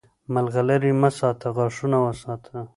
مرغلرې مه ساته، غاښونه وساته!